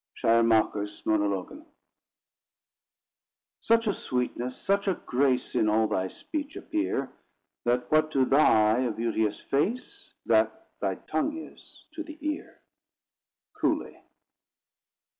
SCHLEIERMACHER, Monologen. "... such a sweetness, such a grace, In all thy speech appear, That what to th'eye a beauteous face, That thy tongue is to the ear." COWLEY.